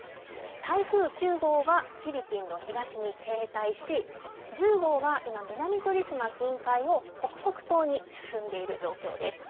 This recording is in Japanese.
台風９号はフィリピンの東に停滞し１０号は今、南鳥島近海を北北東に進んでいる状況です。